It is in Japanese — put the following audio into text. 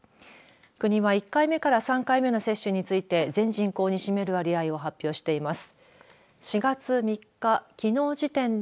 国は１回目から３回目の接種について全人口に占める割合を発表しています。